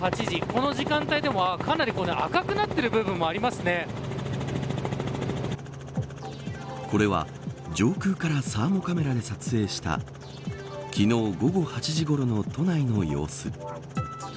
この時間帯でも、かなり赤くなっている部分もこれは上空からサーモカメラで撮影した昨日午後８時ごろの都内の様子。